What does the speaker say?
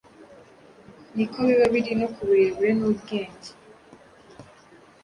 ni ko biba biri no ku burere n’ubwenge